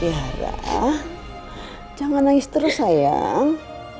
ya jangan nangis terus sayang